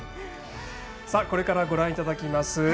これからご覧いただきます